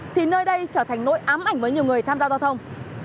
thì nơi đây trở thành nỗi ám ảnh với nhiều người tham gia giao thông